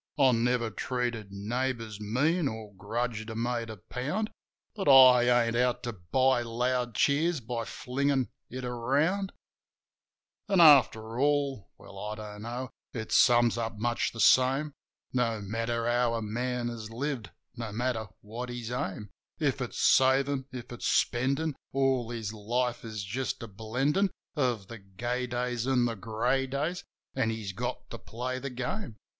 I never treated neighbours mean or grudged a mate a pound; But I ain't out to buy loud cheers by flingin' it around. A LONELY MAN 19 An', after all — well, I don't know — it sums up much the same: No matter how a man has lived, no matter what his aim — If it's savin', if it's spendin' — all his life is just a blendin' Of the gay days an' the grey days : an' he's got to play the game.